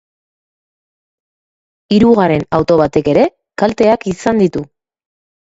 Hirugarren auto batek ere kalteak izan ditu.